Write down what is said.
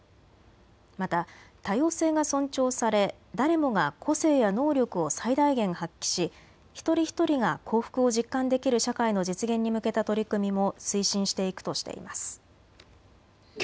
また多様性が尊重され誰もが個性や能力を最大限発揮し一人ひとりが幸福を実感できる社会の実現に向けた取り組みも推進していくとしています。